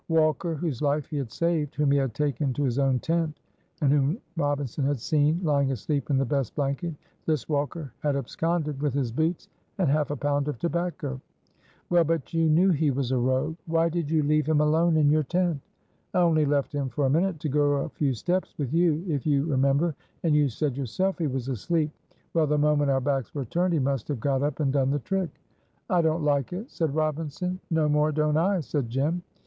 Walker, whose life he had saved, whom he had taken to his own tent, and whom Robinson had seen lying asleep in the best blanket, this Walker had absconded with his boots and half a pound of tobacco. "Well, but you knew he was a rogue. Why did you leave him alone in your tent?" "I only left him for a minute to go a few steps with you if you remember, and you said yourself he was asleep. Well, the moment our backs were turned he must have got up and done the trick." "I don't, like it," said Robinson. "No more don't I," said Jem.